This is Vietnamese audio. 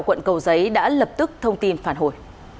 quận cầu giấy đã lập tức thông tin phản hồi